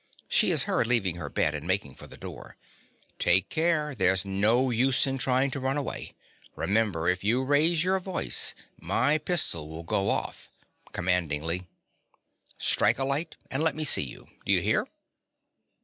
(She is heard leaving her bed, and making for the door.) Take care, there's no use in trying to run away. Remember, if you raise your voice my pistol will go off. (Commandingly.) Strike a light and let me see you. Do you hear?